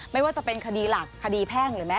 ไม่ว่าจะเป็นคดีหลักคดีแพ่งหรือแม้